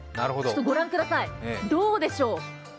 ご覧ください、どうでしょう？